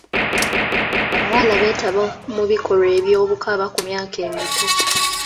Abawala beetaba mu bikolwa by'obukaba ku myaka emito.